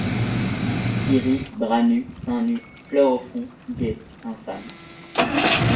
Qui rit, bras nus, seins nus, fleurs au front, gaie, infâme ;